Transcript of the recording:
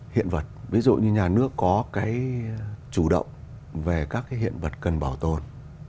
hiện vật ví dụ như nhà nước có cái chủ động về các cái hiện vật cần bảo tồn